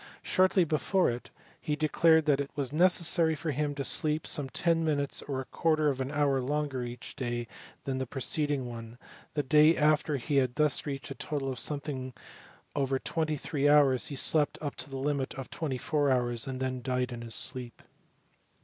Shortly before it, he declared that it was necessary for him to sleep some ten minutes or a quarter of an hour longer each day than the preceding one : the day after he had thus reached a total of something over twenty three hours he slept up to the limit of twenty four hours, and then died in his sleep.